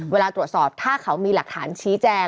เวลาตรวจสอบถ้าเขามีหลักฐานชี้แจง